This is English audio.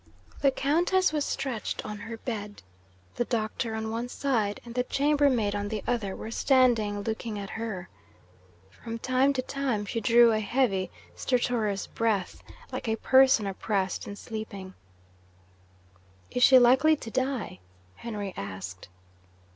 The Countess was stretched on her bed. The doctor on one side, and the chambermaid on the other, were standing looking at her. From time to time, she drew a heavy stertorous breath, like a person oppressed in sleeping. 'Is she likely to die?' Henry asked.